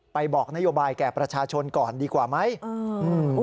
บอกนโยบายแก่ประชาชนก่อนดีกว่าไหมอืม